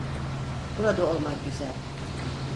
Burada olmak güzel.